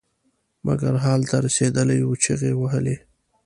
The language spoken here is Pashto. مرګ حال ته رسېدلی و چغې یې وهلې.